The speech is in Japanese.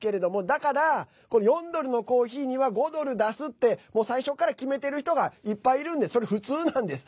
だから、４ドルのコーヒーには５ドル出すって最初から決めている人がいっぱいいるんでそれは普通なんです。